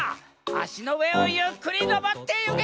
あしのうえをゆっくりのぼってゆけ！